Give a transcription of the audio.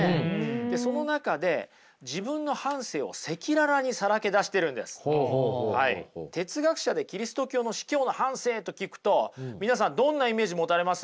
でその中で哲学者でキリスト教の司教の半生と聞くと皆さんどんなイメージ持たれます？